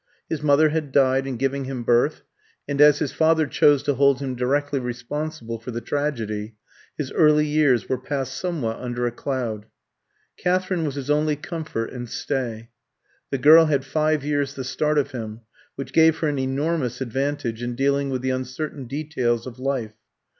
His mother had died in giving him birth; and as his father chose to hold him directly responsible for the tragedy, his early years were passed somewhat under a cloud. Katherine was his only comfort and stay. The girl had five years the start of him, which gave her an enormous advantage in dealing with the uncertain details of life.